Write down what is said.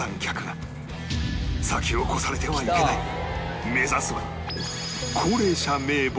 先を越されてはいけないハハハハ！